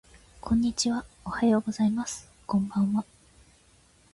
こんにちはおはようございますこんばんは